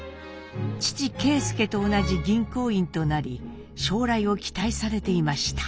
父啓介と同じ銀行員となり将来を期待されていました。